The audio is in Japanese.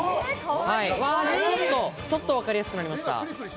ちょっとわかりやすくなりました。